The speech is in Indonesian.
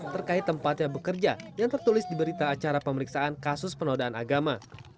terkait tempatnya bekerja yang tertulis di berita acara pemeriksaan kasus penodaan agama